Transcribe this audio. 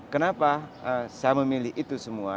kenapa saya memilih itu semua